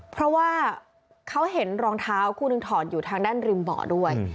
เพราะว่าเขาเห็นรองเท้าคู่หนึ่งถอดอยู่ทางด้านริมเบาะด้วย